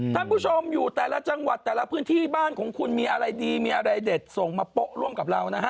ท่านผู้ชมอยู่แต่ละจังหวัดแต่ละพื้นที่บ้านของคุณมีอะไรดีมีอะไรเด็ดส่งมาโป๊ะร่วมกับเรานะฮะ